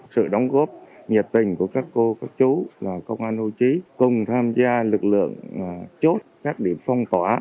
sự đóng góp nhiệt tình của các cô các chú và công an hưu trí cùng tham gia lực lượng chốt các điểm phong tỏa